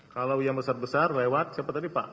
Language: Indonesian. kalau yang besar besar lewat siapa tadi pak